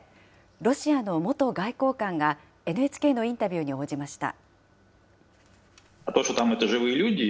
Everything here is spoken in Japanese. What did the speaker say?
ロシアの元外交官が、ＮＨＫのインタビューに応じました。